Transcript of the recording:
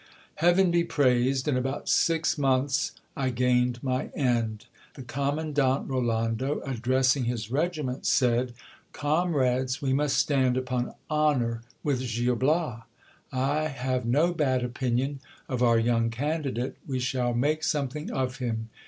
Heaven be praised, in about six months I gained my end. The commandant Rolando addressing his regiment, said : Comrades, we must stand upon honour with Gil Bias. I have no badopininion of our young candidate ; we shall make something of him.